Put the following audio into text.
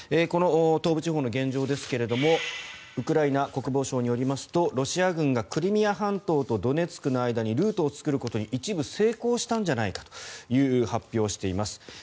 この東部地方の現状ですがウクライナ国防省によりますとロシア軍がクリミア半島とドネツクの間にルートを作ることに一部成功したんじゃないかという発表をしています。